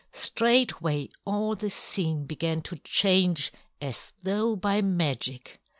Straightway all the scene began to change as though by magic.